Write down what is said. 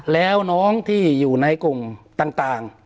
แล้วน้องที่อยู่ในกลุ่มต่าง